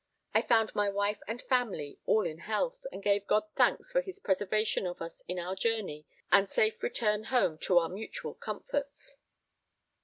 I found my wife and family all in health, and gave God thanks for his preservation of us in our journey and safe return home to our mutual comforts.